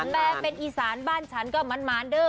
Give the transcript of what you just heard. แม่เป็นอีสานบ้านฉันก็มันมานเดอร์